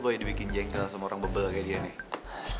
gue dibikin jengkel sama orang bebel kayak dia nih